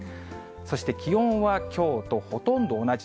そして、気温はきょうとほとんど同じ。